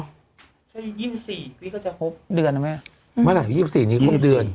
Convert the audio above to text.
ใช่ยี่สิบสี่วิธีก็จะครบเดือนหรอไหมอืมว่าไหล่ยี่สิบสี่นี้ครบเดือน